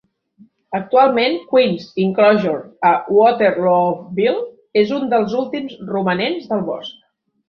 Actualment, Queens Inclosure a Waterlooville és un dels últims romanents del bosc.